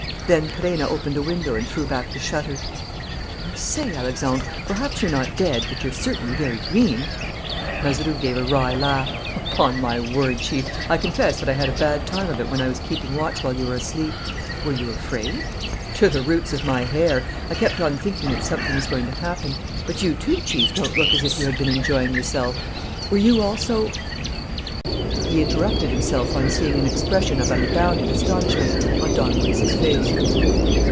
Then Perenna opened a window and threw back the shutter. "I say, Alexandre, perhaps you're not dead, but you're certainly very green." Mazeroux gave a wry laugh: "Upon my word, Chief, I confess that I had a bad time of it when I was keeping watch while you were asleep." "Were you afraid?" "To the roots of my hair. I kept on thinking that something was going to happen. But you, too, Chief, don't look as if you had been enjoying yourself. Were you also " He interrupted himself, on seeing an expression of unbounded astonishment on Don Luis's face.